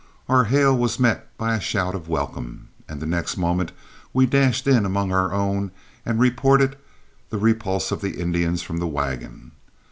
Our hail was met by a shout of welcome, and the next moment we dashed in among our own and reported the repulse of the Indians from the wagon.